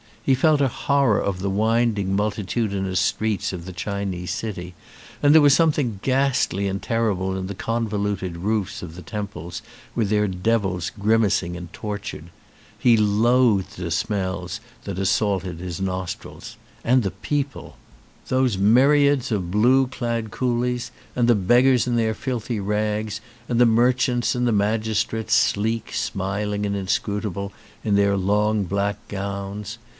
He felt a horror of the winding multitudi nous streets of the Chinese city, and there was something ghastly and terrible in the convoluted roofs of the temples with their devils grimacing and tortured. He loathed the smells that as saulted his nostrils. And the people. Those 202 THE TAIPAN myriads of blue clad coolies, and the beggars in their filthy rags, and the merchants and the magis trates, sleek, smiling, and inscrutable, in their long black gowns.